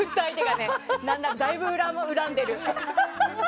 だいぶ恨んでる。